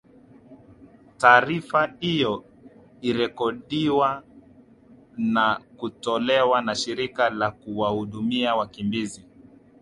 taarifa hiyo iirekodiwa na kutolewa na shirika la kuwahudumia wakimbizi